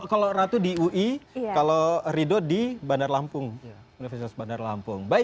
kalau ratu di ui kalau ridho di bandar lampung universitas bandar lampung